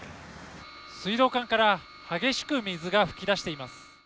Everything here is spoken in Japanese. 水道管から激しく水が噴き出しています。